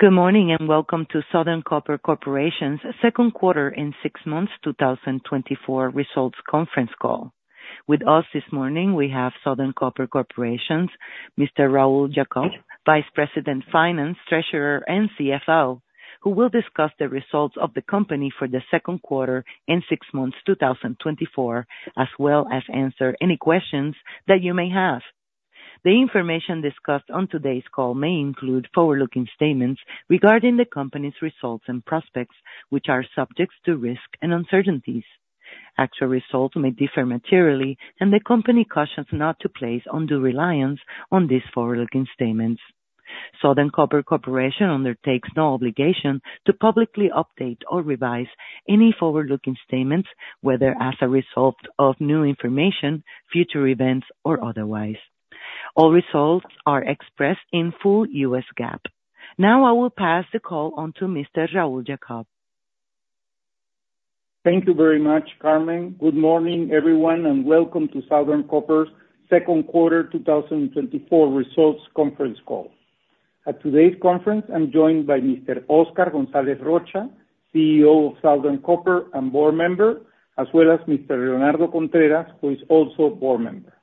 Good morning and welcome to Southern Copper Corporation's Q2 and six months 2024 results conference call. With us this morning, we have Southern Copper Corporation's Mr. Raul Jacob, Vice President, Finance, Treasurer and CFO, who will discuss the results of the company for the Q2 and six months 2024, as well as answer any questions that you may have. The information discussed on today's call may include forward-looking statements regarding the company's results and prospects, which are subject to risk and uncertainties. Actual results may differ materially and the company cautions not to place undue reliance on these forward-looking statements. Southern Copper Corporation undertakes no obligation to publicly update or revise any forward-looking statements, whether as a result of new information, future events, or otherwise. All results are expressed in full U.S. GAAP. Now I will pass the call on to Mr. Raul Jacob. Thank you very much, Carmen. Good morning, everyone and welcome to Southern Copper's Q2 2024 results conference call. At today's conference, I'm joined by Mr. Oscar González Rocha, CEO of Southern Copper and board member, as well as Mr. Leonardo Contreras, who is also a board member.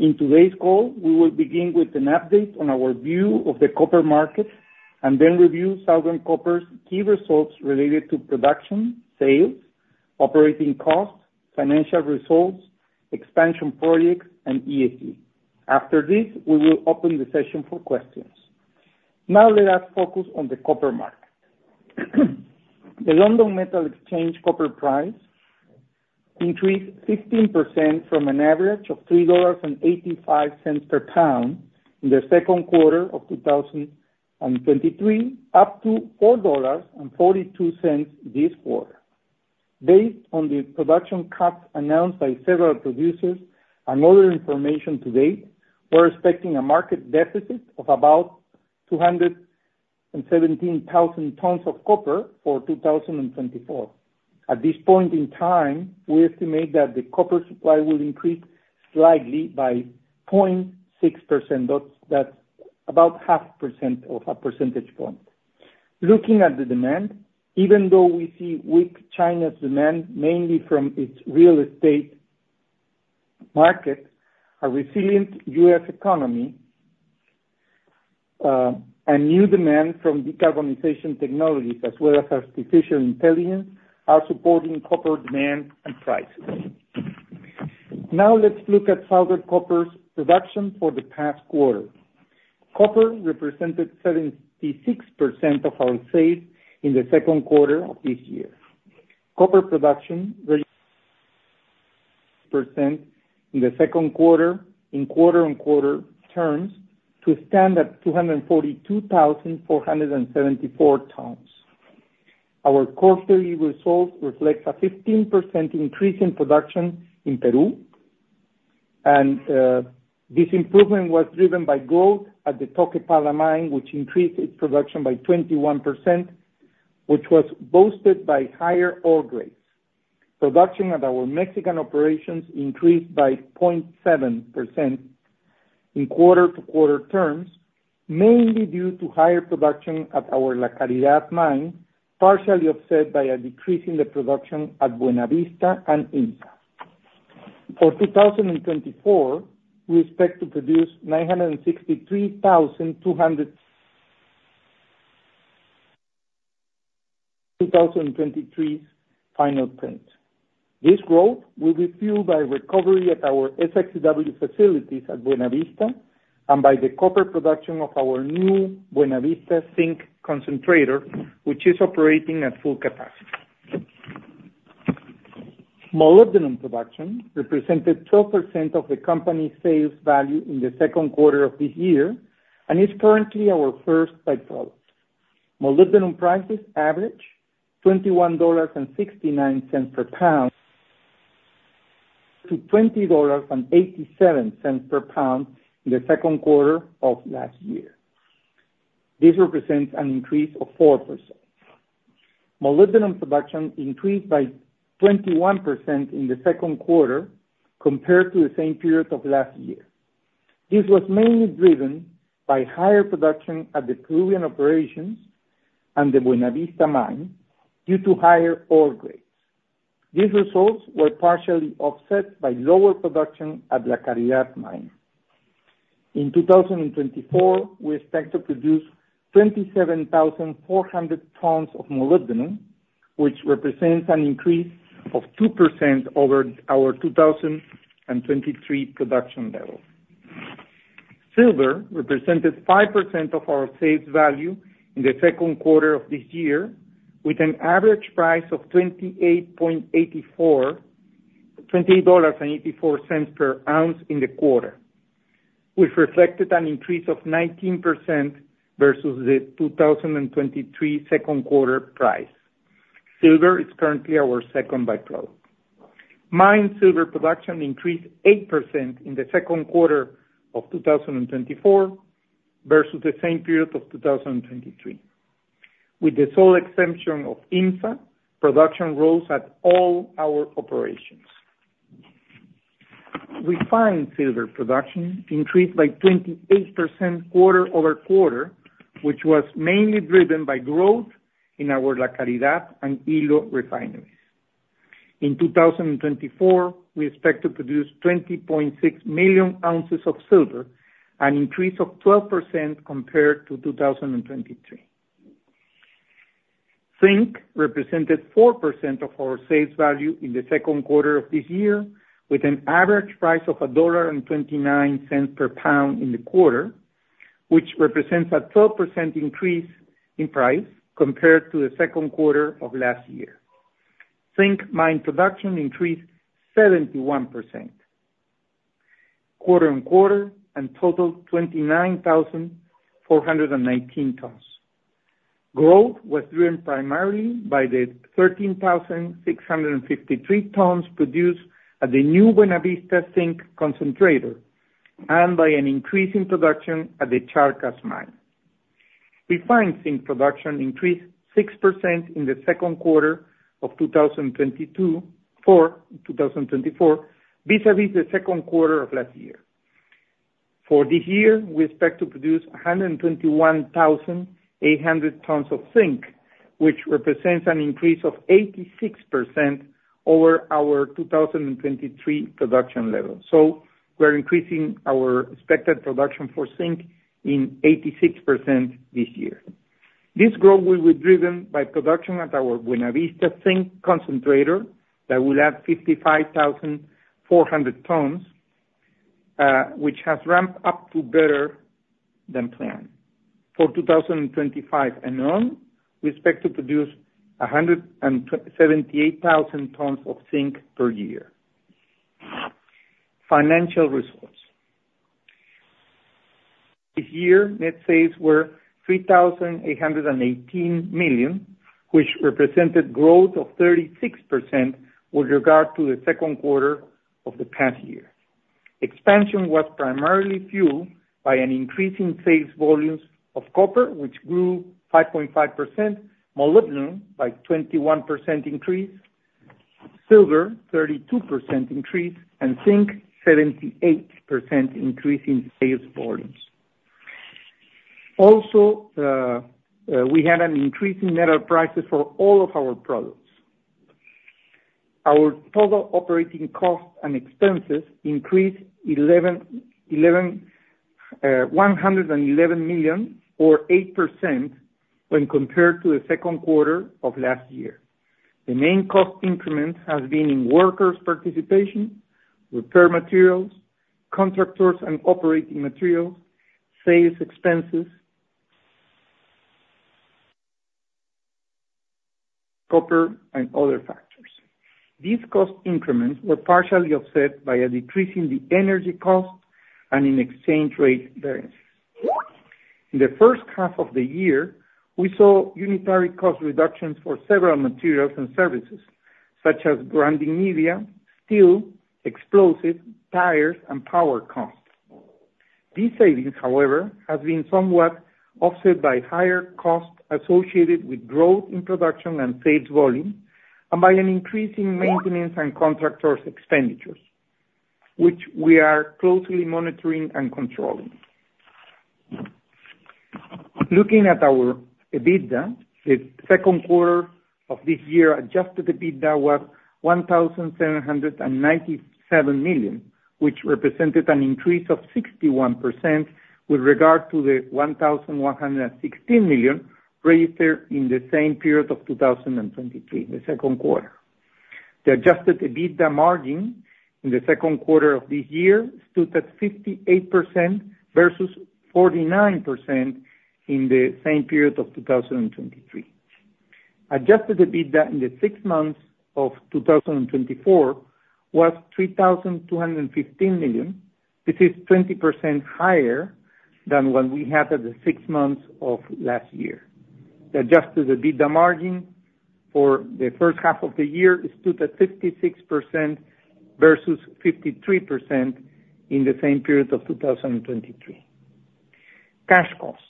In today's call, we will begin with an update on our view of the copper market and then review Southern Copper's key results related to production, sales, operating costs, financial results, expansion projects and ESG. After this, we will open the session for questions. Now let us focus on the copper market. The London Metal Exchange copper price increased 15% from an average of $3.85 per pound in the Q2 of 2023, up to $4.42 this quarter. Based on the production cuts announced by several producers and other information to date, we're expecting a market deficit of about 217,000 tons of copper for 2024. At this point in time, we estimate that the copper supply will increase slightly by 0.6%. That's, that's about half a percentage point. Looking at the demand, even though we see weak China's demand, mainly from its real estate market, a resilient U.S. economy and new demand from decarbonization technologies as well as artificial intelligence are supporting copper demand and prices. Now let's look at Southern Copper's production for the past quarter. Copper represented 76% of our sales in the Q2 of this year. Copper production increased percent in the Q2 in quarter-on-quarter terms to stand at 242,474 tons. Our quarterly results reflect a 15% increase in production in Peru and this improvement was driven by growth at the Toquepala mine, which increased its production by 21%, which was boosted by higher ore grades. Production at our Mexican operations increased by 0.7% in quarter-over-quarter terms, mainly due to higher production at our La Caridad mine, partially offset by a decrease in the production at Buenavista and Inc. For 2024, we expect to produce 963,200 [Technical Difficulty] 2023's final print. This growth will be fueled by recovery at our SX-EW facilities at Buenavista and by the copper production of our new Buenavista Zinc concentrator, which is operating at full capacity. Molybdenum production represented 12% of the company's sales value in the Q2 of this year and is currently our first by-product. Molybdenum prices average $21.69-$20.87 per pound in the Q2 of last year. This represents an increase of 4%. Molybdenum production increased by 21% in the Q2 compared to the same period of last year. This was mainly driven by higher production at the Peruvian operations and the Buenavista mine due to higher ore grades. These results were partially offset by lower production at La Caridad mine. In 2024, we expect to produce 27,400 tons of molybdenum, which represents an increase of 2% over our 2023 production level. Silver represented 5% of our sales value in the Q2 of this year, with an average price of $28.84 per ounce in the quarter, which reflected an increase of 19% versus the 2023 Q2 price. Silver is currently our second by-product. Mine silver production increased 8% in the Q2 of 2024 versus the same period of 2023. With the sole exception of IMZA, production rose at all our operations. Refined silver production increased by 28% quarter-over-quarter, which was mainly driven by growth in our La Caridad and Ilo refineries. In 2024, we expect to produce 20.6 million ounces of silver, an increase of 12% compared to 2023. Zinc represented 4% of our sales value in the Q2 of this year, with an average price of $1.29 per pound in the quarter, which represents a 12% increase in price compared to the Q2 of last year. Zinc mine production increased 71% quarter-on-quarter and totaled 29,419 tons. Growth was driven primarily by the 13,653 tons produced at the new Buenavista Zinc concentrator and by an increase in production at the Charcas mine. Refined Zinc production increased 6% in the Q2 of 2024 vis-a-vis the Q2 of last year. For the year, we expect to produce 121,800 tons of Zinc, which represents an increase of 86% over our 2023 production level. We're increasing our expected production for Zinc in 86% this year. This growth will be driven by production at our Buenavista Zinc Concentrator that will add 55,400 tons, which has ramped up to better than planned. For 2025 and on, we expect to produce 78,000 tons of Zinc per year. Financial results. This year, net sales were $3,818 million, which represented growth of 36% with regard to the Q2 of the past year. Expansion was primarily fueled by an increase in sales volumes of copper, which grew 5.5%, molybdenum by 21% increase, silver 32% increase and Zinc 78% increase in sales volumes. Also, we had an increase in metal prices for all of our products. Our total operating costs and expenses increased $111 million, or 8%, when compared to the Q2 of last year. The main cost increments have been in workers' participation, repair materials, contractors and operating materials, sales expenses, copper and other factors. These cost increments were partially offset by a decrease in the energy cost and in exchange rate variance. In the H1 of the year, we saw unitary cost reductions for several materials and services, such as grinding media, steel, explosives, tires and power costs. These savings, however, have been somewhat offset by higher costs associated with growth in production and sales volume and by an increase in maintenance and contractors' expenditures, which we are closely monitoring and controlling. Looking at our EBITDA, the Q2 of this year, adjusted EBITDA was $1,797 million, which represented an increase of 61% with regard to the $1,116 million registered in the same period of 2023, the Q2. The adjusted EBITDA margin in the Q2 of this year stood at 58% versus 49% in the same period of 2023. Adjusted EBITDA in the six months of 2024 was $3,215 million. This is 20% higher than what we had at the six months of last year. The adjusted EBITDA margin for the H1 of the year stood at 56% versus 53% in the same period of 2023. Cash costs.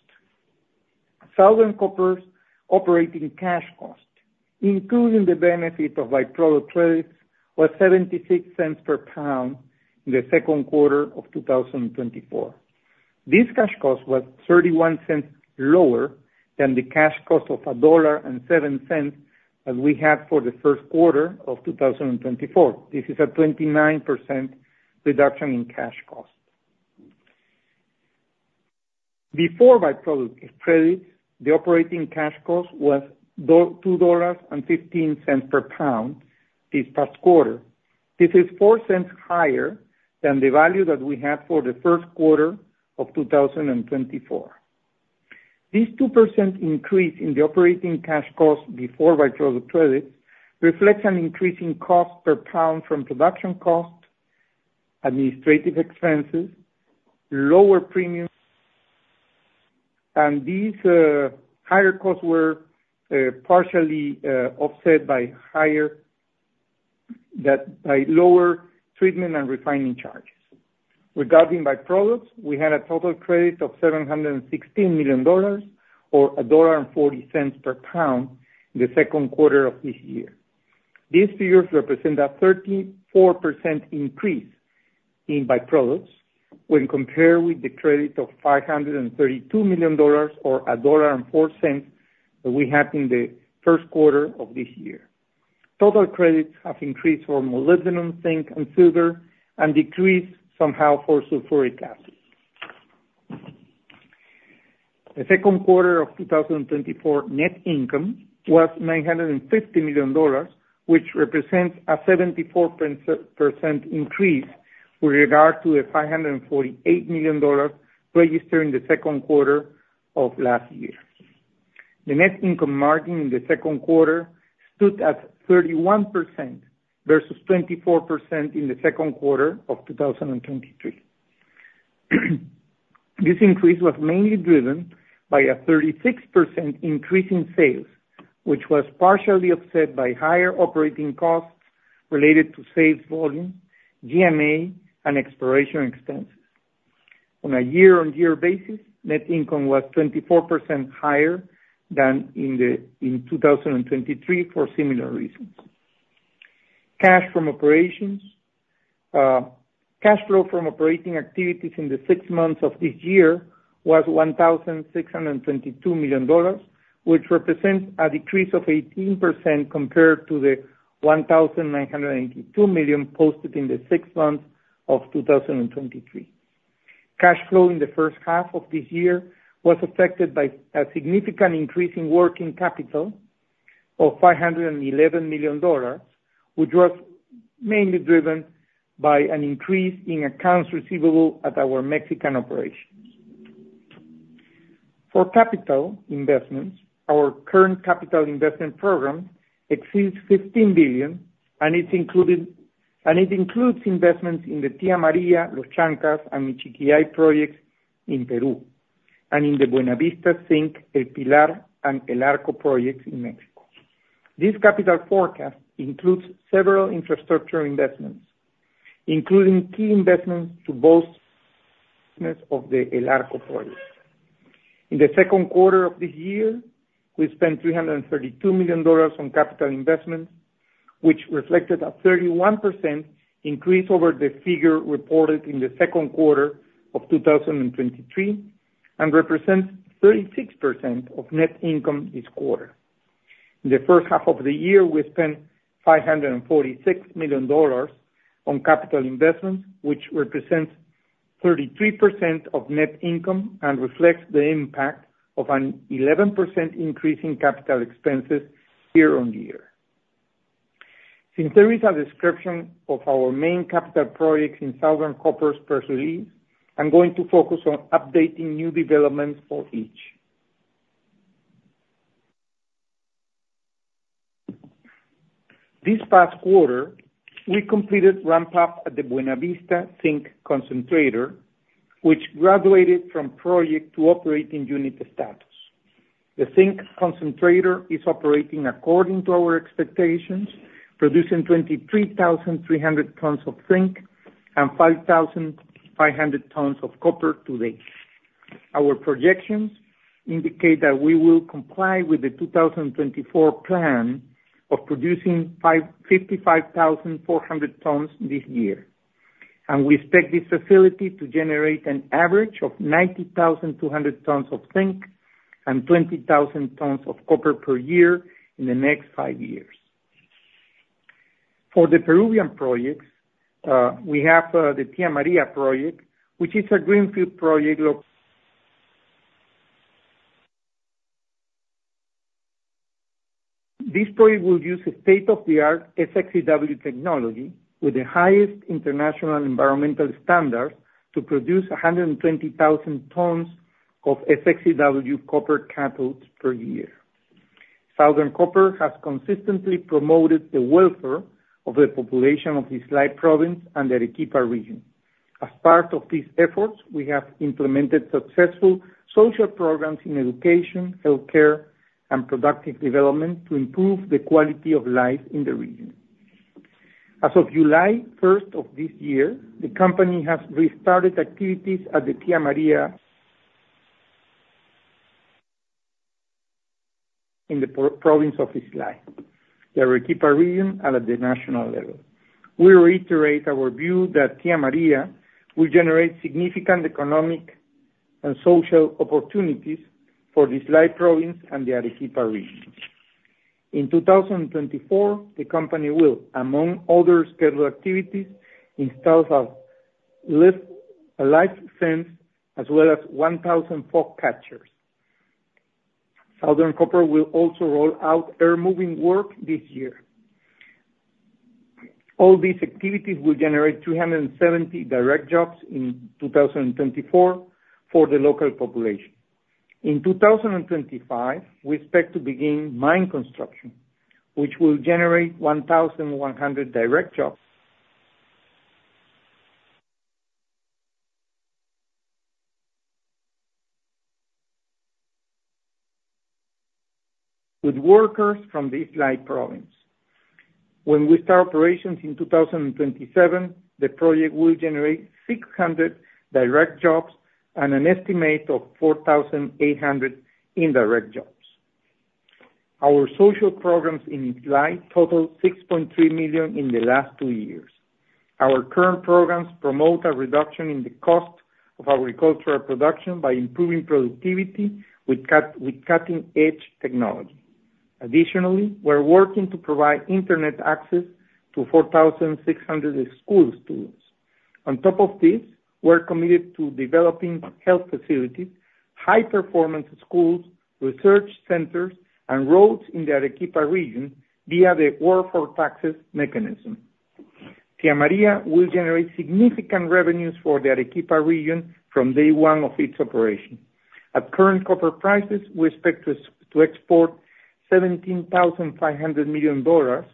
Southern Copper's operating cash costs, including the benefit of by-product credits, was $0.76 per pound in the Q2 of 2024. This cash cost was $0.31 lower than the cash cost of $1.07 that we had for the Q1 of 2024. This is a 29% reduction in cash costs. Before by-product credits, the operating cash cost was two dollars and fifteen cents per pound this past quarter. This is $0.04 higher than the value that we had for the Q1 of 2024. This 2% increase in the operating cash costs before by-product credits reflects an increase in cost per pound from production costs, administrative expenses, lower premium and these higher costs were partially offset by lower treatment and refining charge. Regarding by-products, we had a total credit of $716 million, or $1.40 per pound in the Q2 of this year. These figures represent a 34% increase in by-products when compared with the credit of $532 million or $1.04 that we had in the Q1 of this year. Total credits have increased for molybdenum, Zinc and silver and decreased somehow for sulfuric acid. The Q2 of 2024 net income was $950 million, which represents a 74% increase with regard to the $548 million registered in the Q2 of last year. The net income margin in the Q2 stood at 31% versus 24% in the Q2 of 2023. This increase was mainly driven by a 36% increase in sales, which was partially offset by higher operating costs related to sales volume, G&A and exploration expenses. On a year-on-year basis, net income was 24% higher than in 2023, for similar reasons. Cash from operations. Cash flow from operating activities in the six months of this year was $1,622 million, which represents a decrease of 18% compared to the $1,982 million posted in the six months of 2023. Cash flow in the H1 of this year was affected by a significant increase in working capital of $511 million, which was mainly driven by an increase in accounts receivable at our Mexican operations. For capital investments, our current capital investment program exceeds $15 billion and it includes investments in the Tía María, Los Chancas and Michiquillay projects in Peru and in the Buenavista Zinc, El Pilar and El Arco projects in Mexico. This capital forecast includes several infrastructure investments, including key investments to boost of the El Arco project. In the Q2 of the year, we spent $332 million on capital investments, which reflected a 31% increase over the figure reported in the Q2 of 2023 and represents 36% of net income this quarter. In the H1 of the year, we spent $546 million on capital investments, which represents 33% of net income and reflects the impact of an 11% increase in capital expenses year-on-year. Since there is a description of our main capital projects in Southern Copper's press release, I'm going to focus on updating new developments for each. This past quarter, we completed ramp-up at the Buenavista Zinc Concentrator, which graduated from project to operating unit status. The Zinc concentrator is operating according to our expectations, producing 23,300 tons of Zinc and 5,500 tons of copper to date. Our projections indicate that we will comply with the 2024 plan of producing 55,400 tons this year and we expect this facility to generate an average of 90,200 tons of Zinc and 20,000 tons of copper per year in the next five years. For the Peruvian projects, the Tía María project, which is a greenfield project. This project will use a state-of-the-art SX-EW technology with the highest international environmental standards to produce 120,000 tons of SX-EW copper cathodes per year. Southern Copper has consistently promoted the welfare of the population of the Islay province and the Arequipa region. As part of these efforts, we have implemented successful social programs in education, healthcare and productive development to improve the quality of life in the region. As of July 1 of this year, the company has restarted activities at the Tía María in the province of Islay, the Arequipa region and at the national level. We reiterate our view that Tía María will generate significant economic and social opportunities for the Islay province and the Arequipa region. In 2024, the company will, among other scheduled activities, install a live fence as well as 1,000 fog catchers. Southern Copper will also roll out earth-moving work this year. All these activities will generate 370 direct jobs in 2024 for the local population. In 2025, we expect to begin mine construction, which will generate 1,100 direct jobs with workers from the Islay province. When we start operations in 2027, the project will generate 600 direct jobs and an estimate of 4,800 indirect jobs. Our social programs in Islay total $6.3 million in the last two years. Our current programs promote a reduction in the cost of agricultural production by improving productivity with cutting-edge technology. Additionally, we're working to provide internet access to 4,600 school students. On top of this, we're committed to developing health facilities, high-performance schools, research centers and roads in the Arequipa region via the Works for Taxes mechanism. Tía María will generate significant revenues for the Arequipa region from day one of its operation. At current copper prices, we expect to export $17.5 billion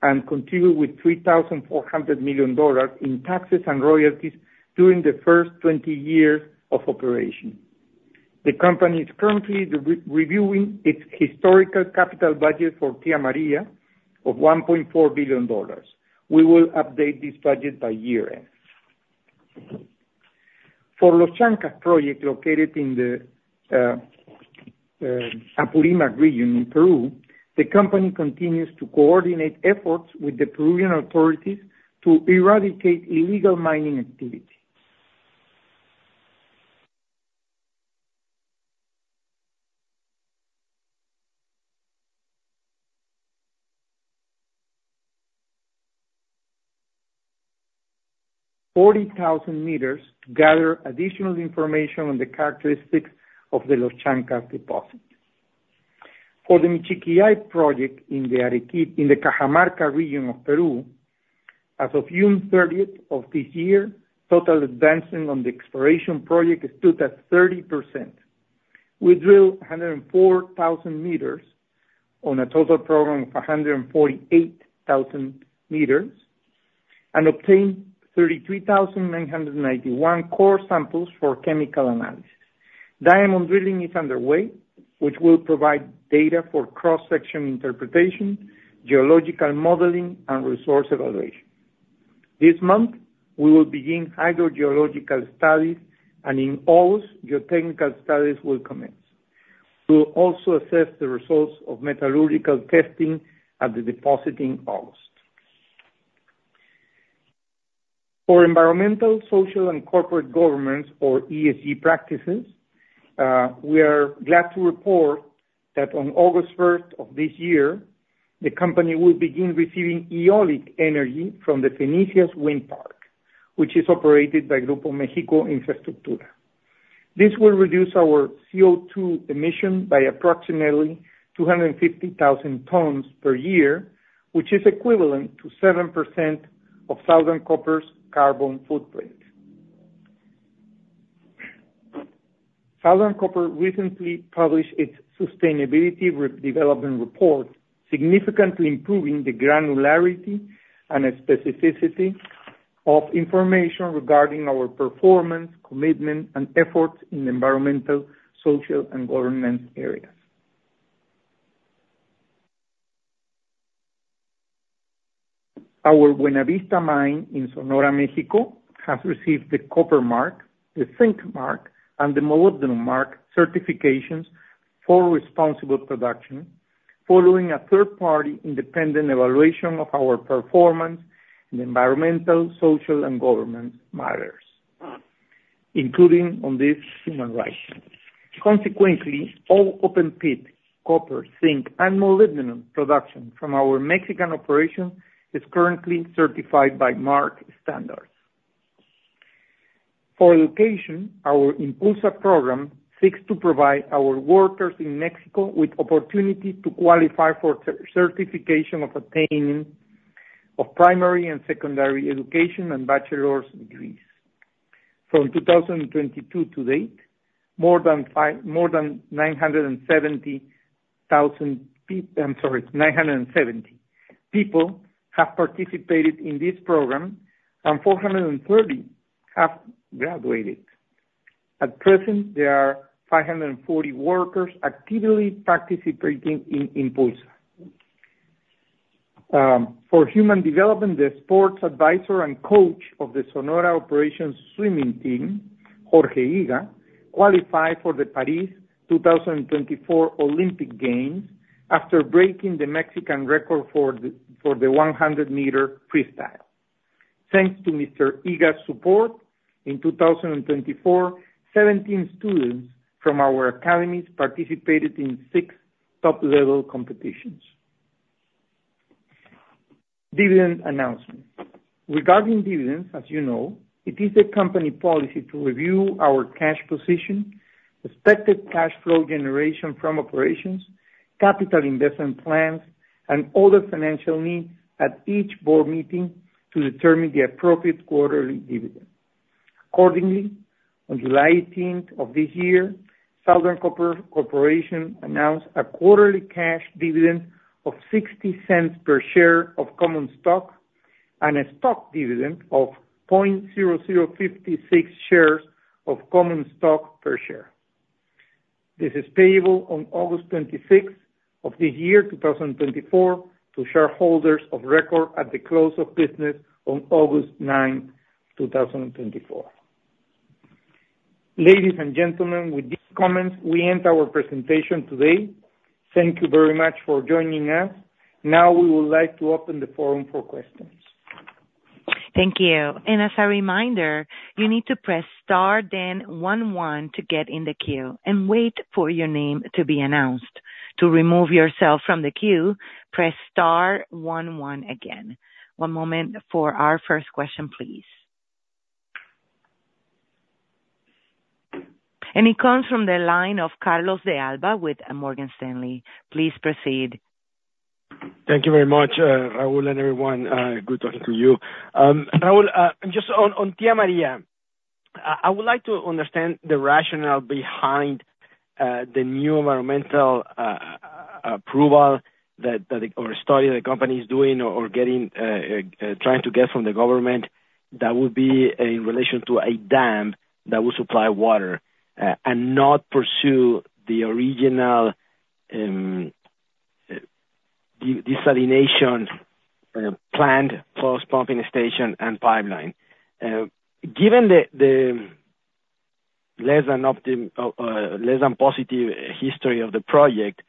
and continue with $3.4 billion in taxes and royalties during the first 20 years of operation. The company is currently reviewing its historical capital budget for Tía María of $1.4 billion. We will update this budget by year-end. For Los Chancas project, located in the Apurímac region in Peru, the company continues to coordinate efforts with the Peruvian authorities to eradicate illegal mining activity. 40,000 meters to gather additional information on the characteristics of the Los Chancas deposit. For the Michiquillay project in the Cajamarca region of Peru, as of June 30 of this year, total advancing on the exploration project stood at 30%. We drilled 104,000 meters on a total program of 148,000 meters and obtained 33,991 core samples for chemical analysis. Diamond drilling is underway, which will provide data for cross-section interpretation, geological modeling and resource evaluation. This month, we will begin hydrogeological studies and in August, geotechnical studies will commence. We'll also assess the results of metallurgical testing in August. For environmental, social and governance, or ESG practices, we are glad to report that on August first of this year, the company will begin receiving eolic energy from the Fenicias Wind Park, which is operated by Grupo México Infraestructura. This will reduce our CO2 emissions by approximately 250,000 tons per year, which is equivalent to 7% of Southern Copper's carbon footprint. Southern Copper recently published its sustainability report, significantly improving the granularity and specificity of information regarding our performance, commitment and efforts in environmental, social and governance areas. Our Buenavista mine in Sonora, Mexico, has received the Copper Mark, the Zinc Mark and the Molybdenum Mark certifications for responsible production, following a third-party independent evaluation of our performance in environmental, social and governance matters, including on this, human rights. Consequently, all open pit copper, Zinc and molybdenum production from our Mexican operation is currently certified by Mark standards. For education, our Impulsa program seeks to provide our workers in Mexico with opportunity to qualify for certification of obtaining of primary and secondary education and bachelor's degrees. From 2022 to date, more than 970 people have participated in this program and 430 have graduated. At present, there are 540 workers actively participating in Impulsa. For human development, the sports advisor and coach of the Sonora Operations swimming team, Jorge Iga, qualified for the Paris 2024 Olympic Games after breaking the Mexican record for the 100-meter freestyle. Thanks to Mr. Iga's support, in 2024, 17 students from our academies participated in six top-level competitions. Dividend announcement. Regarding dividends as it is the company policy to review our cash position, expected cash flow generation from operations, capital investment plans and other financial needs at each board meeting to determine the appropriate quarterly dividend. Accordingly, on July 18th of this year, Southern Copper Corporation announced a quarterly cash dividend of $0.60 per share of common stock and a stock dividend of 0.0056 shares of common stock per share. This is payable on August 26th of this year, 2024, to shareholders of record at the close of business on August 9th, 2024. Ladies and gentlemen, with these comments, we end our presentation today. Thank you very much for joining us. Now, we would like to open the forum for questions. Thank you and as a reminder, you need to press star, then one, one, to get in the queue and wait for your name to be announced. To remove yourself from the queue, press star one, one again. One moment for our first question, please and it comes from the line of Carlos De Alba with Morgan Stanley. Please proceed. Thank you very much, Raul and everyone good talking to you. Raul, just on Tía María, I would like to understand the rationale behind the new environmental approval that, or study the company is doing or getting, trying to get from the government that would be in relation to a dam that would supply water and not pursue the original desalination plant, plus pumping station and pipeline. Given the less than positive history of the project,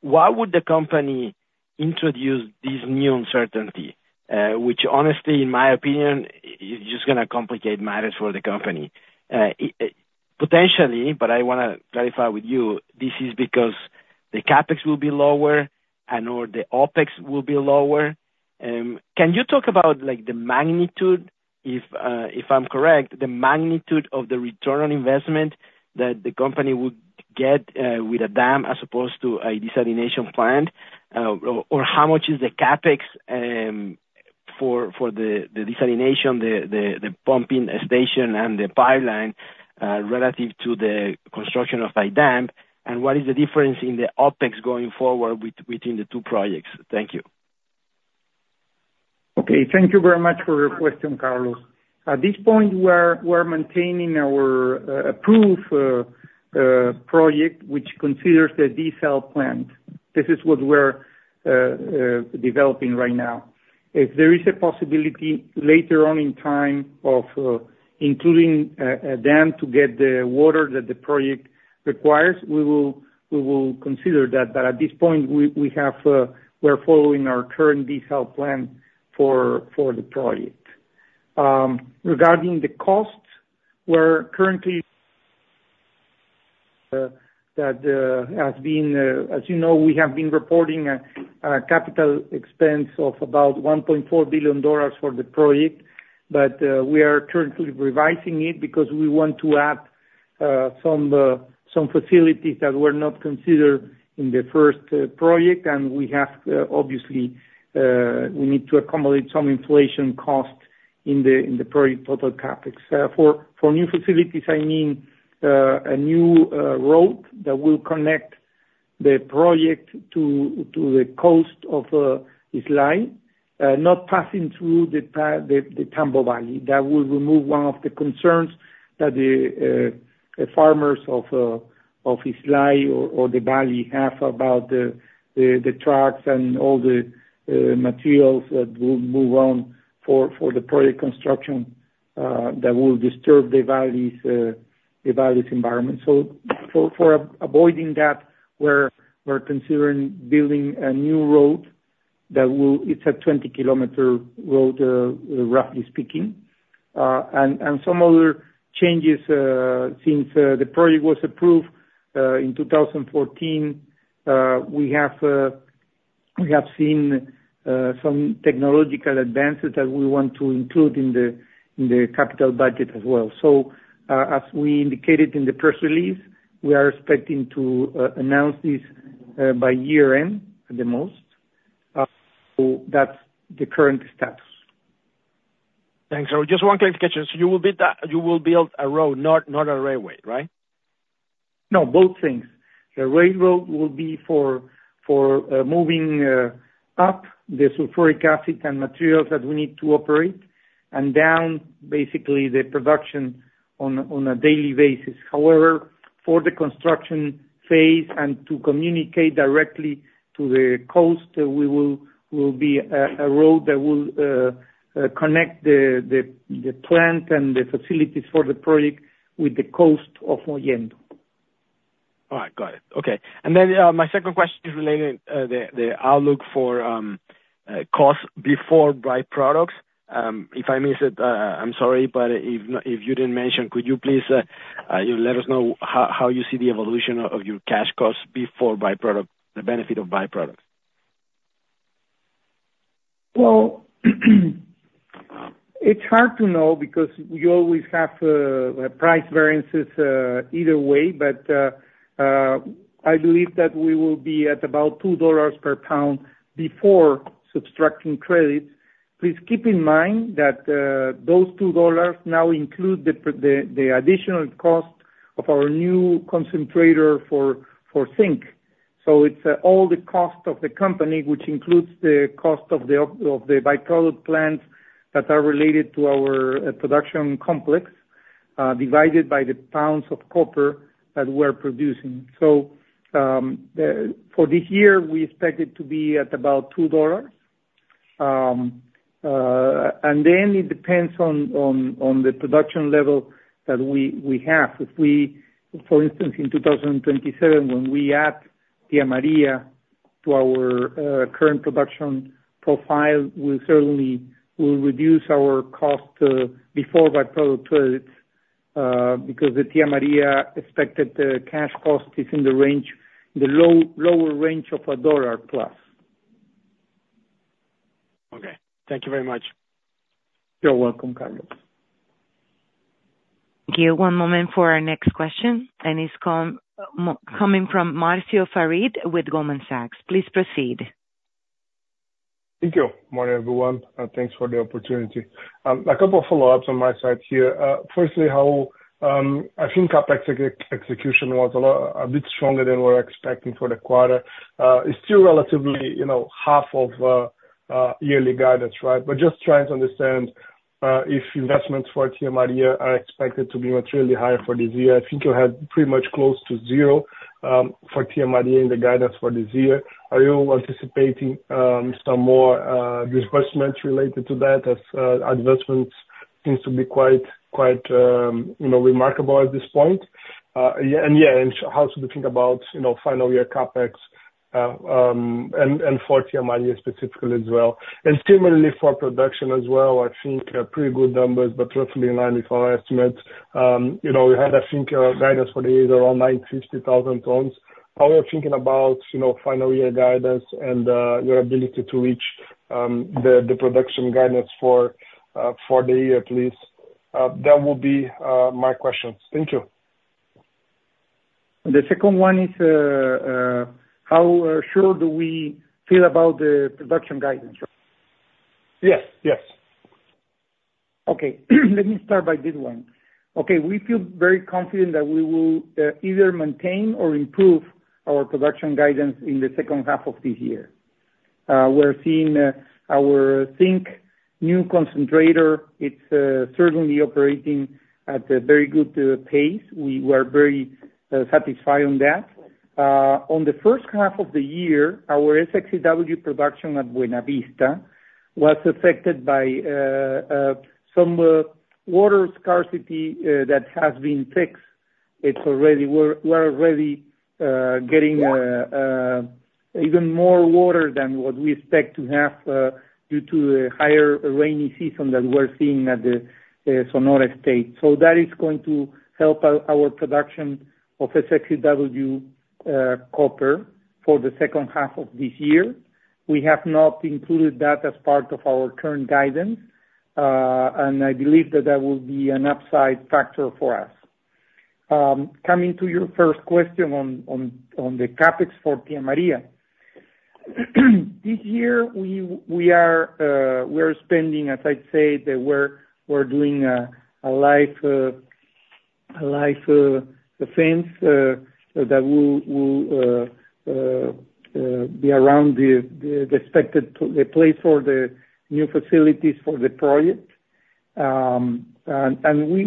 why would the company introduce this new uncertainty. Which honestly, in my opinion, is just gonna complicate matters for the company. Potentially, I wanna clarify with you, this is because the CapEx will be lower and/or the OpEx will be lower. Can you talk about, like, the magnitude, if I'm correct, the magnitude of the return on investment that the company would get, with a dam, as opposed to a desalination plant. Or how much is the CapEx, for the desalination, the pumping station and the pipeline, relative to the construction of a dam and what is the difference in the OpEx going forward between the two projects. Thank you. Thank you very much for your question, Carlos. At this point, we're maintaining our approved project, which considers the diesel plant. This is what we're developing right now. If there is a possibility later on in time of including a dam to get the water that the project requires, we will consider that at this point, we're following our current diesel plant for the project. Regarding the costs as we have been reporting a capital expense of about $1.4 billion for the project, We are currently revising it because we want to add some facilities that were not considered in the first project. And we have obviously, we need to accommodate some inflation costs in the project total CapEx. For new facilities, I mean, a new road that will connect the project to the coast of Islay, not passing through the Tambo Valley. That will remove one of the concerns that the farmers of Islay or the valley have about the trucks and all the materials that will move on for the project construction, that will disturb the valley's environment. For avoiding that, we're considering building a new road that will. It's a 20-kilometer road, roughly speaking. And some other changes since the project was approved in 2014. We have seen some technological advances that we want to include in the capital budget as well. As we indicated in the press release, we are expecting to announce this by year-end, at the most. That's the current status. Thanks. Just one clarification. You will build a road, not a railway, right. No, both things. The railroad will be for moving up the sulfuric acid and materials that we need to operate and down, basically, the production on a daily basis. However, for the construction phase and to communicate directly to the coast, there will be a road that will connect the plant and the facilities for the project with the coast of Mollendo. All right. Got it. My second question is related to the outlook for cost before byproducts. If I missed it, I'm sorry if you didn't mention, could you please let us know how you see the evolution of your cash costs before by product, the benefit of by products. It's hard to know because you always have price variances either way. I believe that we will be at about $2 per pound before subtracting credits. Please keep in mind that those $2 now include the additional cost of our new concentrator for Zinc. It's all the cost of the company, which includes the cost of the by-product plants that are related to our production complex divided by the pounds of copper that we're producing. For this year, we expect it to be at about $2 and then it depends on the production level that we have. If we, for instance, in 2027, when we add Tía María to our current production profile, we certainly will reduce our cost before by-product credits because the Tía María expected cash cost is in the range, the lower range of $1+. Thank you very much. You're welcome, Carlos. Thank you. One moment for our next question and it's coming from Marcio Farid with Goldman Sachs. Please proceed. Thank you. Morning, everyone and thanks for the opportunity. A couple of follow-ups on my side here. Firstly, how i think CapEx execution was a bit stronger than we were expecting for the quarter. It's still relatively half of yearly guidance, right. Just trying to understand if investments for Tía María are expected to be materially higher for this year. I think you had pretty much close to zero for Tía María in the guidance for this year. Are you anticipating some more disbursements related to that as investments seems to be quite remarkable at this point and how do you think about final year capex and for Tía María specifically as well. And similarly for production, Pretty good numbers roughly in line with our estimates. We had, I think, guidance for the year around 950,000 tons. How are you thinking about final year guidance and your ability to reach the production guidance for the year at least. That will be my questions. Thank you. The second one is, how sure do we feel about the production guidance, right. Let me start by this one. We feel very confident that we will either maintain or improve our production guidance in the H2 of this year. We're seeing our new Zinc concentrator; it's certainly operating at a very good pace. We were very satisfied on that. On the H1 of the year, our SX-EW production at Buenavista was affected by some water scarcity that has been fixed. It's already. We're already getting even more water than what we expect to have due to a higher rainy season than we're seeing at the Sonora state. That is going to help our production of SX-EW copper for the H2 of this year. We have not included that as part of our current guidance and I believe that that will be an upside factor for us. Coming to your first question on the CapEx for Tía María. This year, we are spending, as I said, that we're doing a live fence that will be around the expected place for the new facilities for the project and we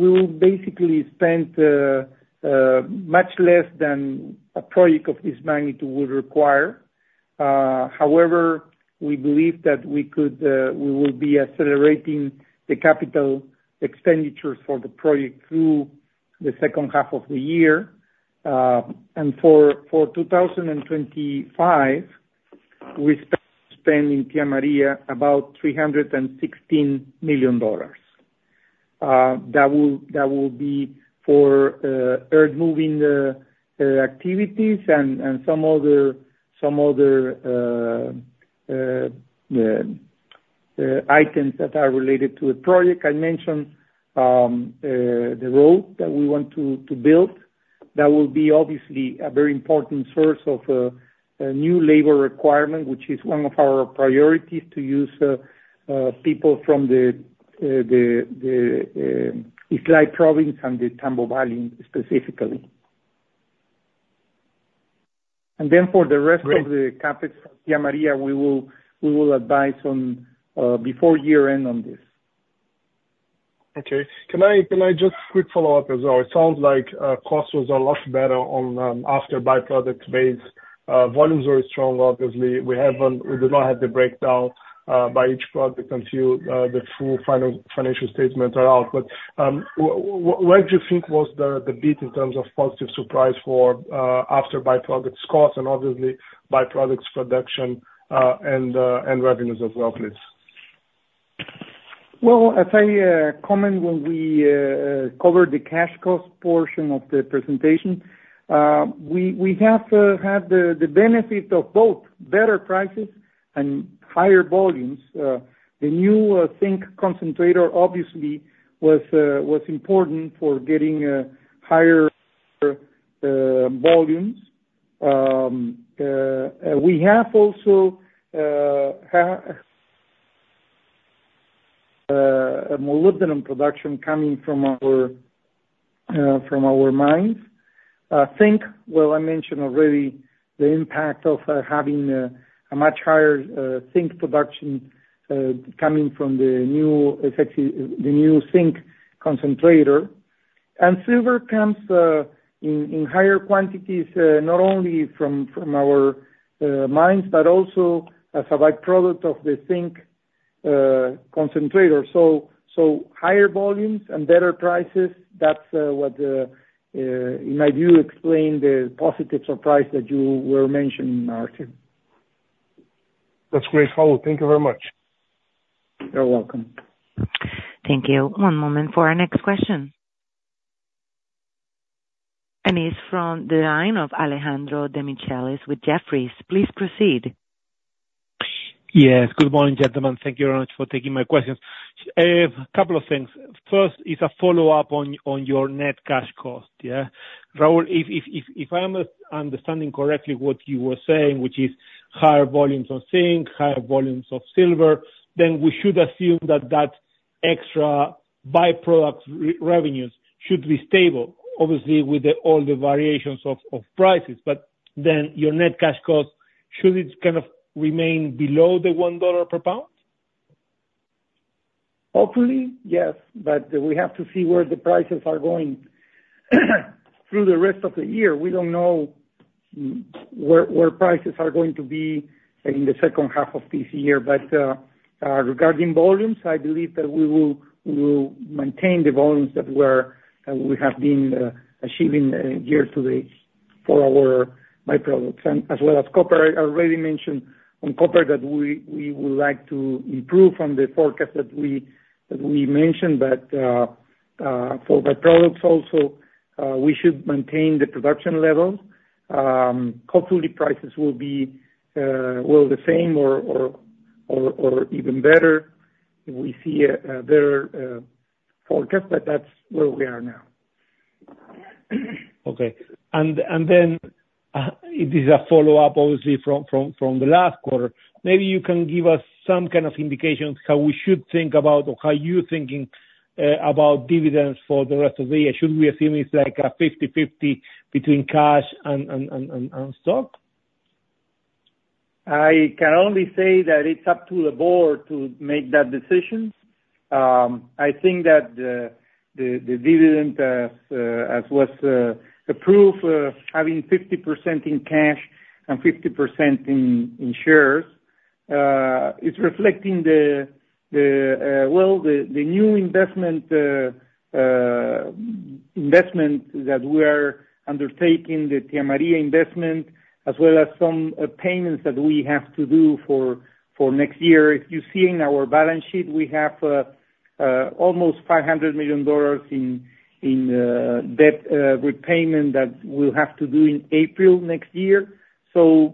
will basically spend much less than a project of this magnitude would require. However, we believe that we will be accelerating the capital expenditures for the project through the H2 of the year and for 2025, we're spending Tía María about $316 million. That will be for earthmoving activities and some other items that are related to the project. I mentioned the road that we want to build. That will be obviously a very important source of a new labor requirement, which is one of our priorities, to use people from the Islay province and the Tambo Valley specifically and then for the rest of the CapEx Tía María, we will, we will advise on before year-end on this. Can I just quick follow-up as well. It sounds like, costs was a lot better on, after by-product base. Volumes are strong, obviously. We do not have the breakdown, by each product until, the full final financial statements are out. What do you think was the, the beat in terms of positive surprise for, after by-product costs and obviously by-products and and revenues as well, please. As I comment when we covered the cash cost portion of the presentation, we have had the benefit of both better prices and higher volumes. The new Zinc concentrator obviously was important for getting higher volumes and we have also a molybdenum production coming from our mines. Zinc, I mentioned already the impact of having a much higher Zinc production coming from the new, effectively, the new Zinc concentrator and silver comes in higher quantities, not only from our mines also as a by-product of the Zinc concentrator. Higher volumes and better prices, that's what in my view explain the positive surprise that you were mentioning, Martin. That's great, Raul. Thank you very much. You're welcome. Thank you. One moment for our next question. It's from the line of Alejandro Demichelis with Jefferies. Please proceed. Yes, good morning, gentlemen. Thank you very much for taking my questions. A couple of things. First is a follow-up on your net cash cost. Raul, if I'm understanding correctly what you were saying, which is higher volumes on Zinc, higher volumes of silver, then we should assume that that extra by-product revenues should be stable, obviously, with all the variations of prices then your net cash costs, should it kind of remain below the $1 per pound. Hopefully yes, we have to see where the prices are going through the rest of the year. We don't know where prices are going to be in the H2 of this year. Regarding volumes, I believe that we will, we will maintain the volumes that we're, we have been achieving, year to date for our by-products and as well as copper, I already mentioned on copper that we, we would like to improve from the forecast that we, that we mentioned for by-products also, we should maintain the production levels. Hopefully, prices will be the same or even better. We see a better forecast that's where we are now. Then it is a follow-up, obviously, from the last quarter. Maybe you can give us some kind of indications how we should think about or how you're thinking about dividends for the rest of the year. Should we assume it's like a 50/50 between cash and stock. I can only say that it's up to the board to make that decision. I think that the dividend as was approved having 50% in cash and 50% in shares is reflecting the new investment investment that we are undertaking, the Tía María investment, as well as some payments that we have to do for next year. If you see in our balance sheet, we have almost $500 million in debt repayment that we'll have to do in April next year. I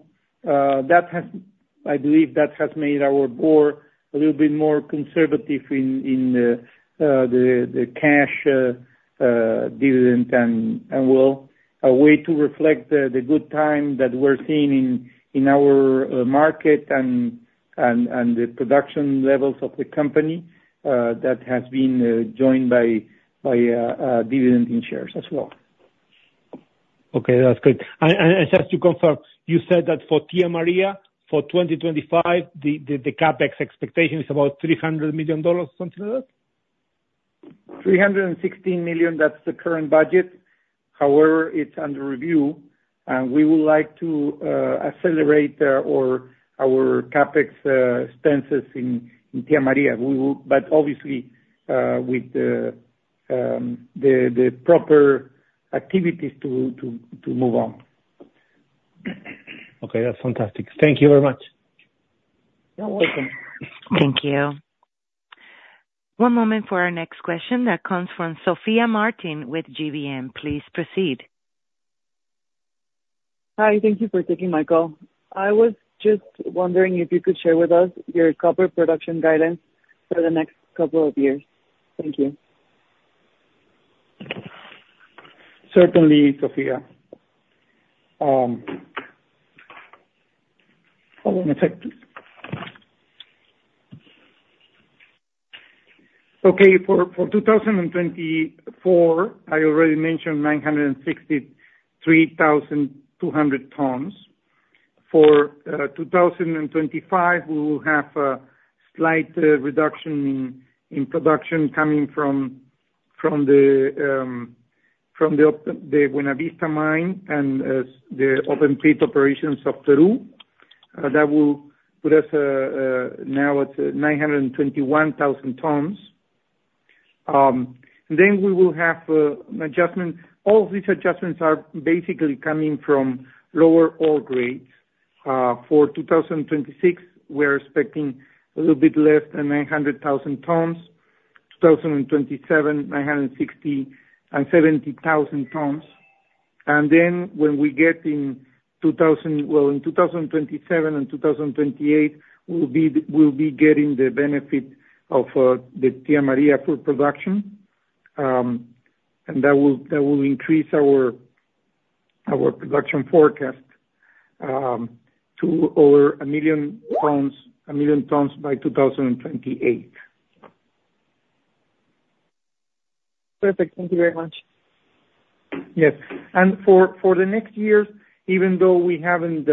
believe that has made our board a little bit more conservative in the cash dividend and a way to reflect the good time that we're seeing in our market and the production levels of the company that has been joined by dividend in shares as well. That's good and just to confirm, you said that for Tía María, for 2025, the CapEx expectation is about $300 million, something like that. $316 million, that's the current budget. However, it's under review and we would like to accelerate our CapEx expenses in Tía María. We will obviously with the proper activities to move on. That's fantastic. Thank you very much. You're welcome. Thank you. One moment for our next question that comes from Sofia Martin with GBM. Please proceed. Hi, thank you for taking my call. I was just wondering if you could share with us your copper production guidance for the next couple of years. Thank you. Certainly, Sofia. Hold on a second. For 2024, I already mentioned 963,200 tons. For 2025, we will have a slight reduction in production coming from the Buenavista mine and the open-pit operations of Peru. That will put us now at 921,000 tons. Then we will have an adjustment. All these adjustments are basically coming from lower ore grades. For 2026, we're expecting a little bit less than 900,000 tons. 2027, 967,000 tons and then when we get in 2028. In 2027 and 2028, we'll be getting the benefit of the Tía María full production and that will increase our production forecast to over 1 million tons, 1 million tons by 2028. Perfect. Thank you very much. yes and for the next years, even though we haven't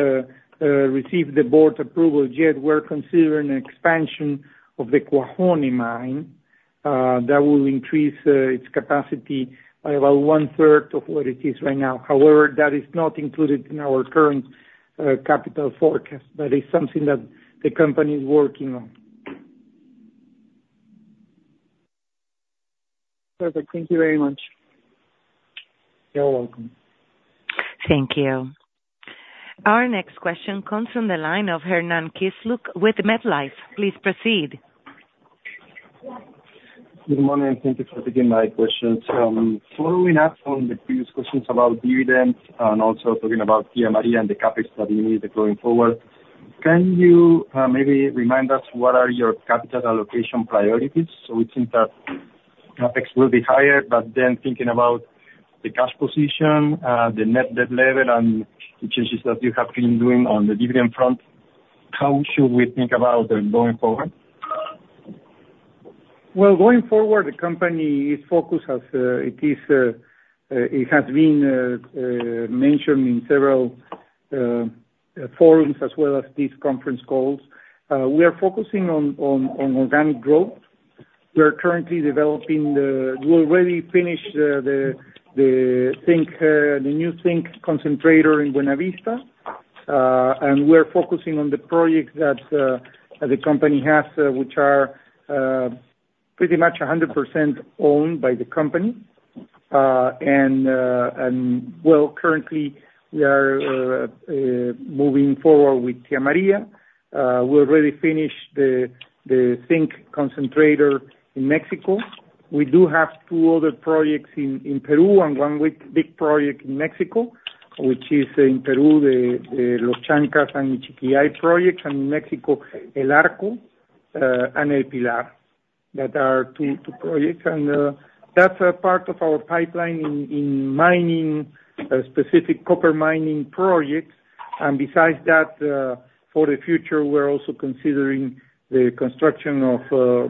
received the board approval yet, we're considering an expansion of the Cuajone mine that will increase its capacity by about one third of what it is right now. However, that is not included in our current capital forecast. That is something that the company is working on. Perfect. Thank you very much. You're welcome. Thank you. Our next question comes from the line of Hernan Kisluk with MetLife. Please proceed. Good morning and thank you for taking my questions. Following up on the previous questions about dividends and also talking about Tía María and the CapEx that you need going forward, can you maybe remind us what are your capital allocation priorities. We think that CapEx will be higher then thinking about the cash position, the net debt level and the changes that you have been doing on the dividend front, how should we think about them going forward. Going forward, the company is focused, as it has been mentioned in several forums as well as these conference calls. We are focusing on organic growth. We already finished the new Zinc concentrator in buenavista and we are focusing on the projects that the company has, which are pretty much 100% owned by the company and Currently we are moving forward with Tía María. We already finished the Zinc concentrator in Mexico. We do have two other projects in Peru and one big project in Mexico, which is in Peru, the projects and in Mexico, El Arco and El Pilar. That are 2 projects and that's a part of our pipeline in mining, specific copper mining projects and besides that, for the future, we're also considering the construction of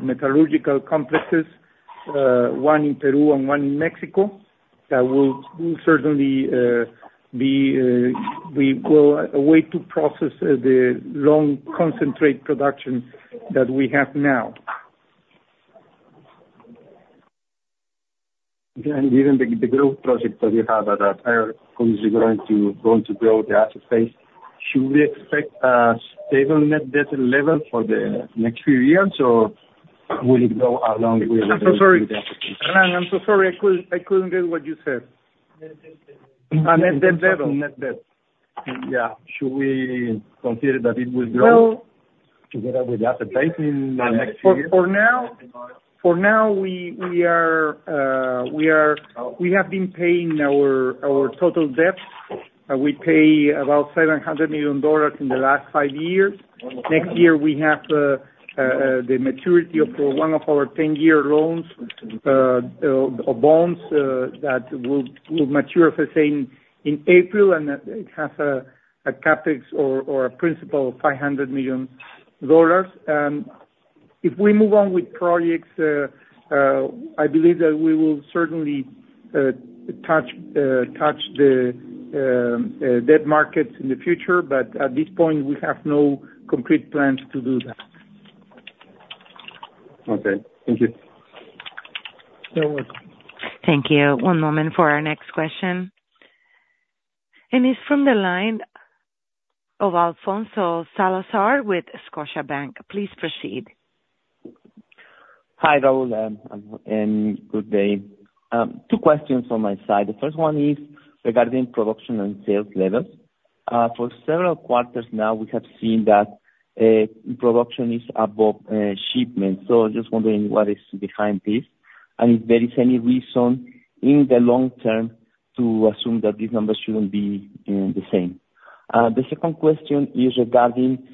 metallurgical complexes, 1 in Peru and 1 in Mexico, that will certainly be a way to process the long concentrate production that we have now. Given the growth project that you have at that, how is it going to grow the asset base. Should we expect a stable net debt level for the next few years, or will it grow along with I'm so sorry, I couldn't, I couldn't get what you said. Net debt level. Net debt level. Net debt. Should we consider that it will grow together with the asset base in the next few years. For now, we have been paying our total debt. We pay about $700 million in the last five years. Next year, we have the maturity of one of our 10-year loans or bonds that will mature, let's say, in april and it has a CapEx or a principal of $500 million and if we move on with projects, I believe that we will certainly touch the debt markets in the future. Tt this point, we have no concrete plans to do that. Thank you. You're welcome. Thank you. One moment for our next question. It's from the line of Alfonso Salazar with Scotiabank. Please proceed. Hi, Raul and good day. Two questions on my side. The first one is regarding production and sales levels. For several quarters now, we have seen that production is above shipment. Just wondering what is behind this and if there is any reason in the long term to assume that these numbers shouldn't be the same. The second question is regarding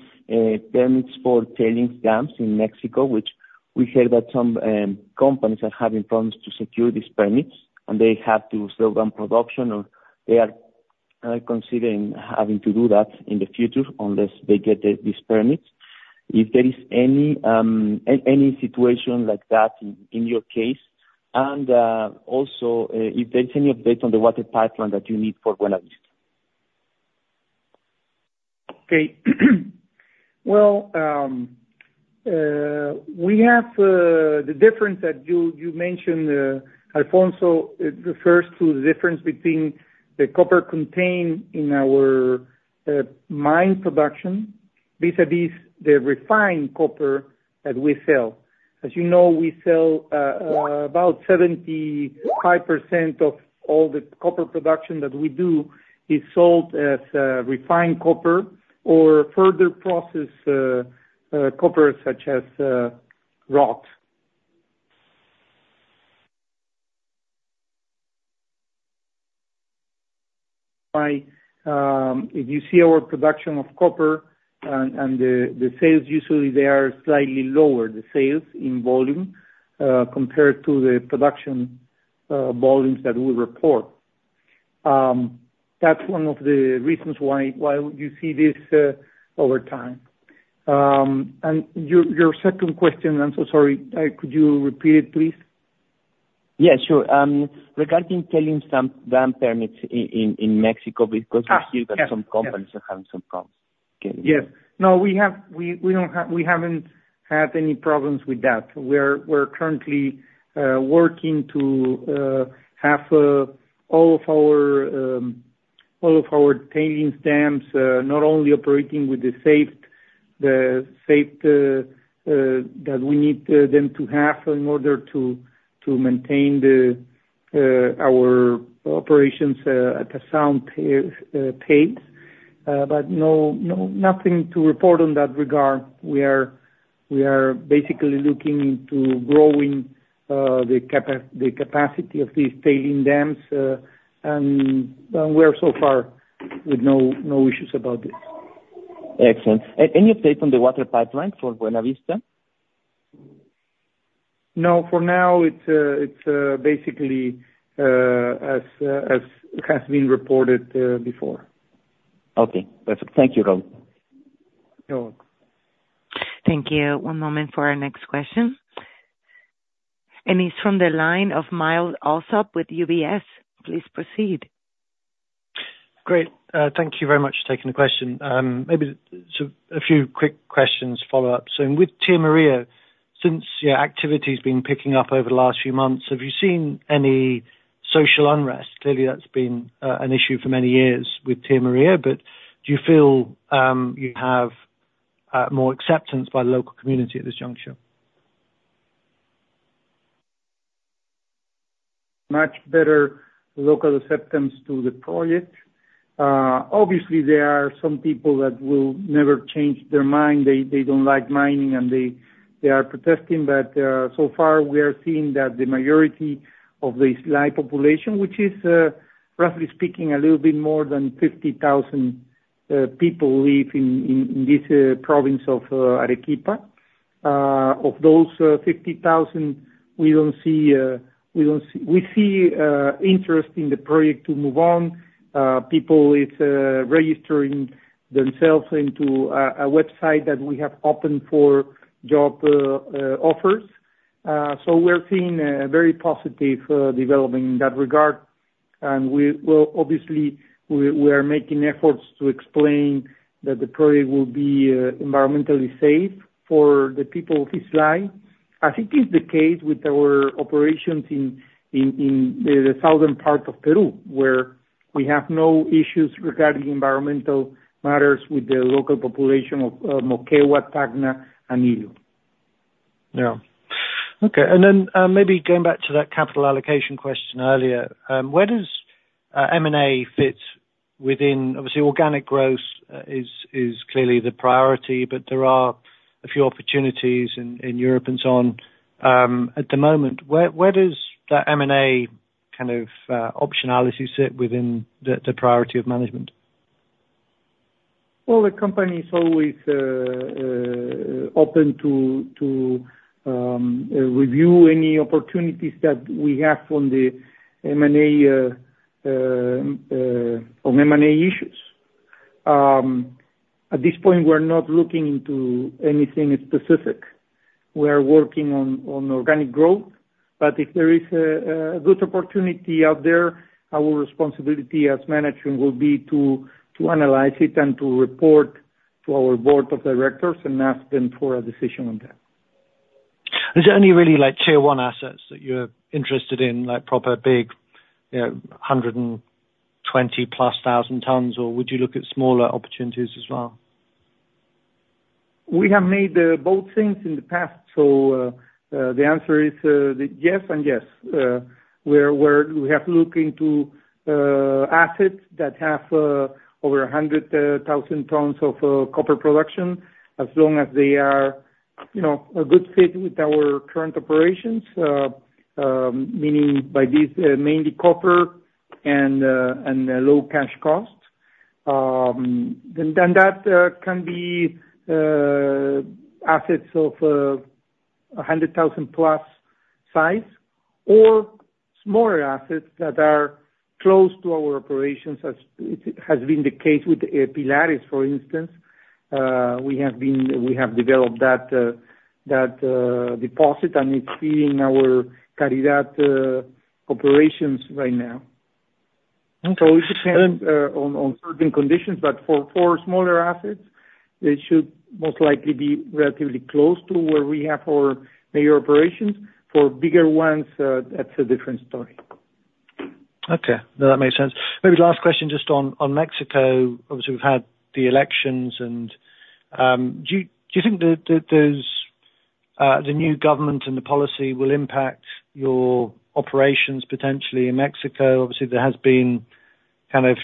permits for tailings dams in Mexico, which we heard that some companies are having problems to secure these permits and they have to slow down production, or they are considering having to do that in the future unless they get these permits. If there is any situation like that in your case and also, if there's any update on the water pipeline that you need for Buenavista. We have the difference that you mentioned, Alfonso. It refers to the difference between the copper contained in our mine production vis-à-vis the refined copper that we sell. As we sell about 75% of all the copper production that we do is sold as refined copper or further processed copper, such as rocks. If you see our production of copper and the sales usually they are slightly lower, the sales in volume compared to the production volumes that we report. That's one of the reasons why you see this over time and your second question, I'm so sorry, could you repeat it, please. Sure. Regarding selling some dam permits in Mexico, because we see that some companies are having some problems. Yes. No, we don't have, we haven't had any problems with that. We're currently working to have all of our all of our tailings dams not only operating with the safety that we need them to have in order to maintain our operations at a sound pace. No, nothing to report in that regard. We are basically looking into growing the capacity of these tailings dams and we are so far with no issues about this. Excellent. Any update on the water pipeline for Buenavista. No, for now, it's basically as has been reported before. Perfect. Thank you, Raul. You're welcome. Thank you. One moment for our next question. It's from the line of Myles Allsop with UBS. Please proceed. Great. Thank you very much for taking the question. Maybe so a few quick questions to follow up. With Tía María, since your activity's been picking up over the last few months, have you seen any social unrest. Clearly, that's been an issue for many years with Tía María, Do you feel you have more acceptance by the local community at this juncture. Much better local acceptance to the project. Obviously, there are some people that will never change their mind. They don't like mining and they are protesting. We are seeing that the majority of the Islay population, which is, roughly speaking, a little bit more than 50,000 people live in this province of Arequipa. Of those 50,000, we don't see. We see interest in the project to move on. People is registering themselves into a website that we have opened for job offers. We're seeing a very positive development in that regard and we will obviously, we are making efforts to explain that the project will be environmentally safe for the people of Islay. I think it's the case with our operations in the southern part of Peru, where we have no issues regarding environmental matters with the local population of Moquegua, Tacna and Ilo. Then, maybe going back to that capital allocation question earlier, where does M&A fit within—obviously, organic growth is clearly the priority, There are a few opportunities in Europe and so on. At the moment, where does that M&A kind of optionality sit within the priority of management. The company is always open to review any opportunities that we have on the M&A, on M&A issues. At this point, we're not looking into anything specific. We are working on organic growth, If there is a good opportunity out there, our responsibility as management will be to analyze it and to report to our board of directors and ask them for a decision on that. Is there any really, like, tier one assets that you're interested in, like proper, big 120-plus thousand tons, or would you look at smaller opportunities as well. We have made both things in the past, so the answer is yes and yes. We have to look into assets that have over 100,000 tons of copper production, as long as they are a good fit with our current operations. Meaning by this, mainly copper and low cash costs. Then that can be assets of 100,000+ size or smaller assets that are close to our operations, as it has been the case with El Pilar, for instance. We have developed that deposit and it's feeding our Buenavista operations right now. It depends on certain conditions for smaller assets, it should most likely be relatively close to where we have our major operations. For bigger ones, that's a different story. That makes sense. Maybe the last question, just on Mexico, obviously, we've had the elections and do you think that there's the new government and the policy will impact your operations potentially in Mexico. Obviously, there has been kind of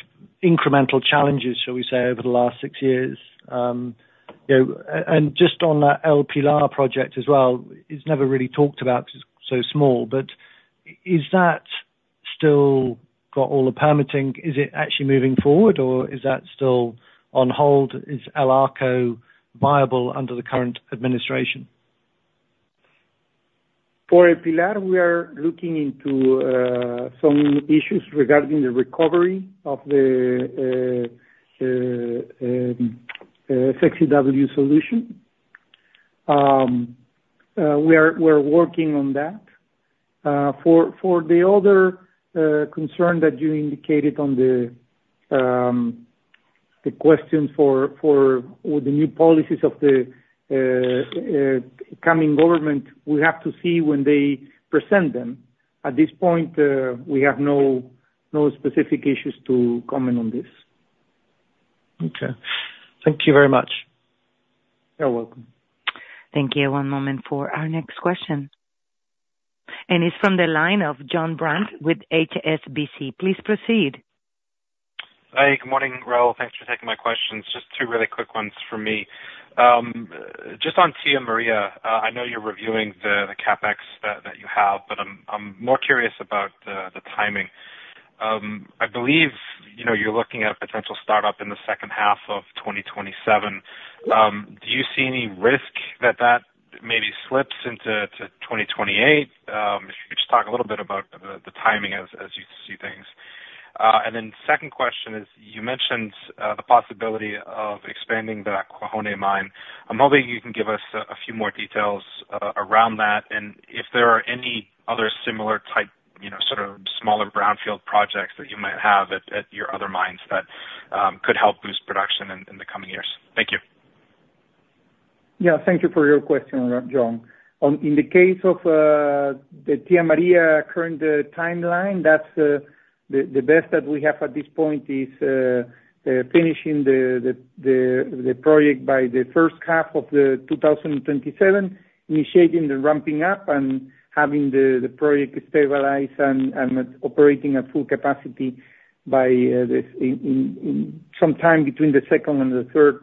incremental challenges, shall we say, over the last six years and just on that El Pilar project as it's never really talked about because it's so small, Is that still got all the permitting, is it actually moving forward or is that still on hold. Is El Arco viable under the current administration. For El Pilar, we are looking into some issues regarding the recovery of the SX-EW solution. We are, we're working on that. For the other concern that you indicated on the question for the new policies of the coming government, we have to see when they present them. At this point, we have no specific issues to comment on this. Thank you very much. You're welcome. Thank you. One moment for our next question and it's from the line of Jon Brandt with HSBC. Please proceed. Hi, good morning, Raul. Thanks for taking my questions. Just two really quick ones from me. Just on Tía María, I know you're reviewing the CapEx that you have i'm more curious about the, the timing. I believe you're looking at a potential startup in the H2 of 2027. Do you see any risk that that maybe slips into, to 2028. If you could just talk a little bit about the, the timing as, as you see things and then second question is, you mentioned, the possibility of expanding the Cuajone mine. I'm hoping you can give us a few more details around that and if there are any other similar type sort of smaller brownfield projects that you might have at your other mines that could help boost production in the coming years. Thank you. Thank you for your question, Jon. In the case of the Tía María current timeline, that's the best that we have at this point is finishing the project by the H1 of 2027, initiating the ramping up and having the project stabilized and operating at full capacity by in some time between the second and the third-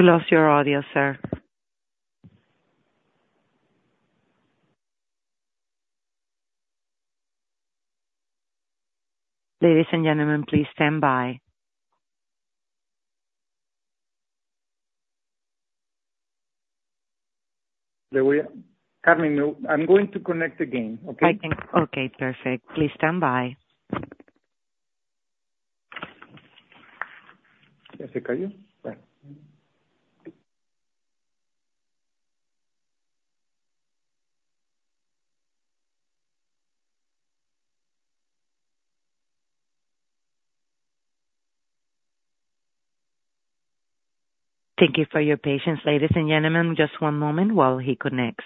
We lost your audio, sir. Ladies and gentlemen, please stand by. Carmen, I'm going to connect again. Perfect. Please stand by. Jessica, are you. Right. Thank you for your patience, ladies and gentlemen. Just one moment while he connects.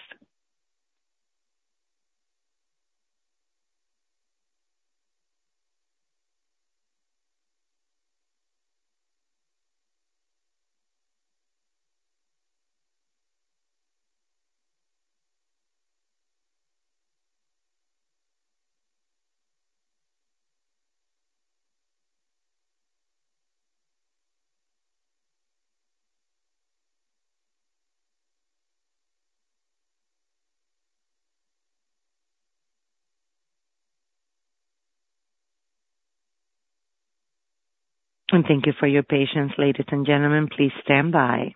Thank you for your patience, ladies and gentlemen. Please stand by.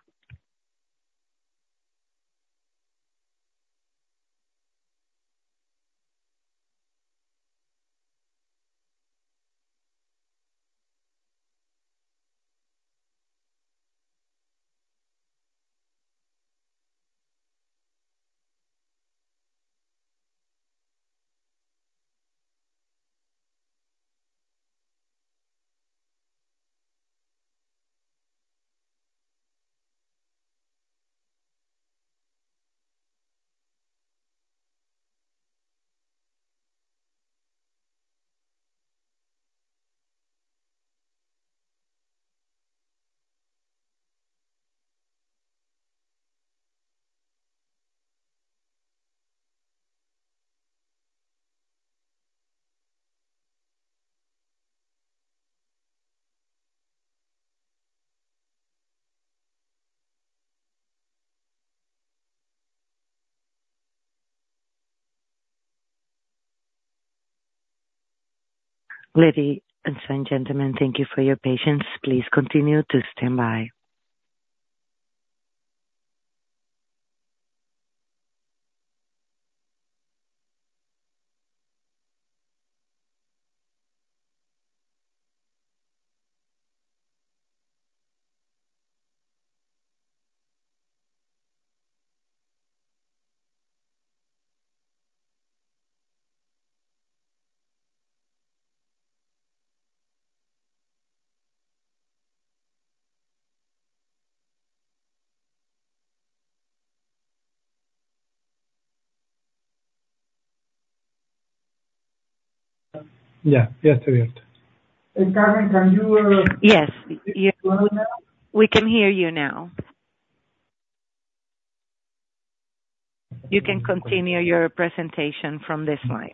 Ladies and gentlemen, thank you for your patience. Please continue to stand by. Yes, we are. Carmen, can you hear me now. We can hear you now. You can continue your presentation from this line.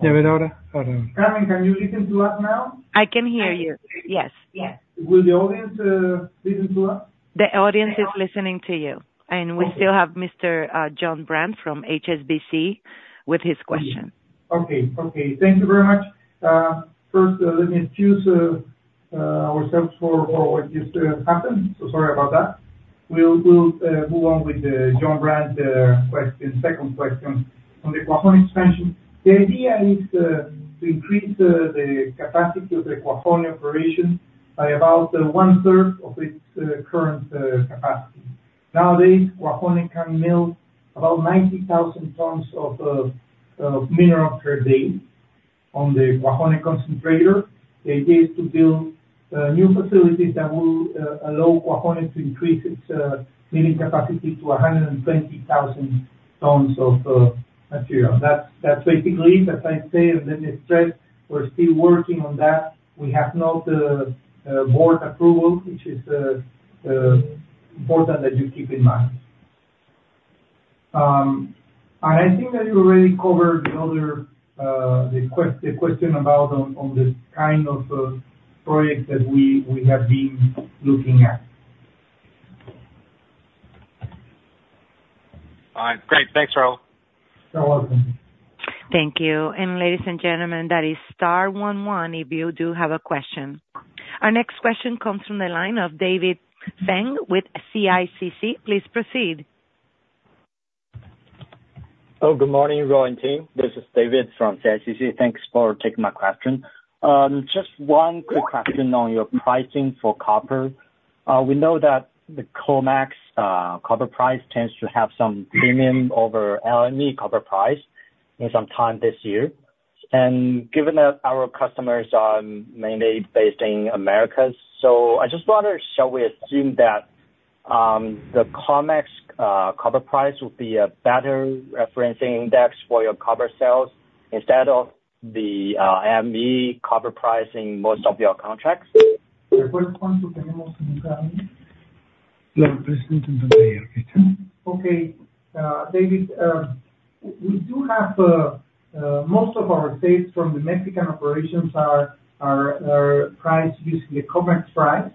Carmen, can you listen to us now. I can hear you. Yes, yes. Will the audience listen to us. The audience is listening to you. We still have Mr. Jon Brandt from HSBC with his question. Thank you very much. First, let me excuse ourselves for what just happened. Sorry about that. We'll move on with Jon Brandt question, second question. On the Cuajone expansion, the idea is to increase the capacity of the Cuajone operation by about one third of its current capacity. Nowadays, Cuajone can mill about 90,000 tons of mineral per day on the Cuajone concentrator. The idea is to build new facilities that will allow Cuajone to increase its milling capacity to 120,000 tons of material. That's basically it. As I say and let me stress, we're still working on that. We have not board approval, which is important that you keep in mind. I think that you already covered the other, the question about on the kind of projects that we have been looking at. All right, great. Thanks, Raul. You're welcome. Thank you and ladies and gentlemen, that is star one one if you do have a question. Our next question comes from the line of David Feng with CICC. Please proceed. Oh, good morning, Raul and team. This is David from CICC. Thanks for taking my question. Just one quick question on your pricing for copper. We know that the COMEX copper price tends to have some premium over LME copper price in some time this year and given that our customers are mainly based in Americas.I just wonder, shall we assume that the COMEX copper price would be a better referencing index for your copper sales instead of the LME copper price in most of your contracts. David, we do have most of our sales from the Mexican operations are priced using the COMEX price.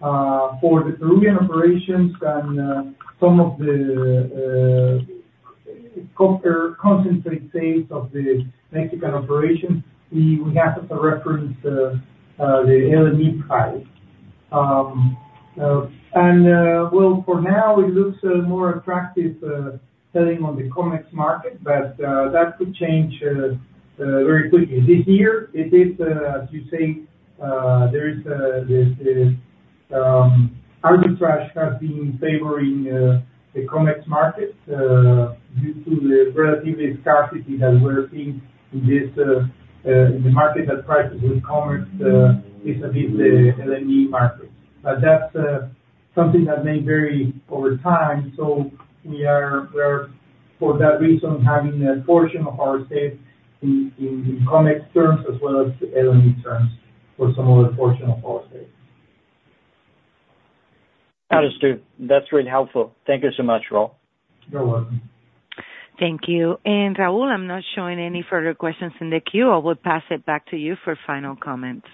For the Peruvian operations and some of the copper concentrate sales of the Mexican operations, we have to reference the LME price and for now, it looks more attractive selling on the COMEX market that could change very quickly. This year, it is, as you say, there is, there's arbitrage has been favoring the COMEX market due to the relatively scarcity that we're seeing in this in the market that prices with COMEX vis-a-vis the LME market. That's something that may vary over time, so we are, for that reason, having a portion of our sales in COMEX terms as well as the LME terms for some other portion of our sales. Understood. That's really helpful. Thank you so much, Raul. You're welcome. Thank you. Raul, I'm not showing any further questions in the queue. I will pass it back to you for final comments.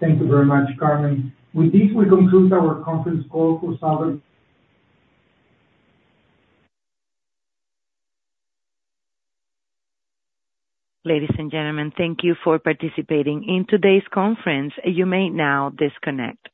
Thank you very much, Carmen. With this, we conclude our conference call for this hour. Ladies and gentlemen, thank you for participating in today's conference. You may now disconnect.